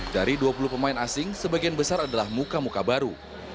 dari dua puluh pemain asing sebagian besar adalah muka muka baru